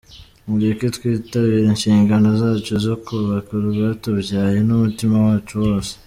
Mureke twitabire inshingano zacu zo kubaka urwatubyaye n’umutima wacu wose.